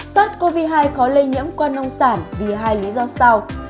sars cov hai khó lây nhiễm qua nông sản vì hai lý do sau